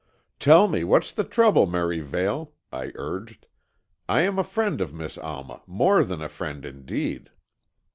"Tell me what's the trouble, Merivale," I urged. "I am a friend of Miss Alma, more than a friend, indeed."